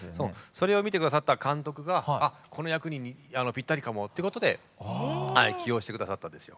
それを見て下さった監督がこの役にぴったりかもってことで起用して下さったんですよ。